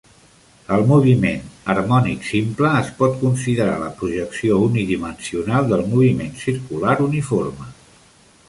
El moviment harmònic simple es pot considerar la projecció unidimensional del moviment circular uniforme.